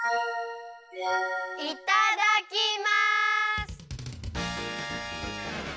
いただきます！